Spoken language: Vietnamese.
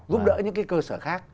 giúp đỡ những cái cơ sở khác